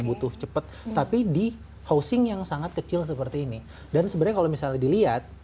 butuh cepat tapi di housing yang sangat kecil seperti ini dan sebenarnya kalau misalnya dilihat